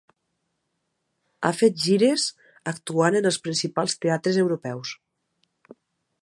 Ha fet gires actuant en els principals teatres europeus.